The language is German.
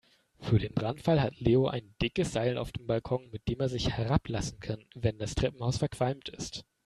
Für den Brandfall hat Leo ein dickes Seil auf dem Balkon, mit dem er sich herablassen kann, wenn das Treppenhaus verqualmt ist.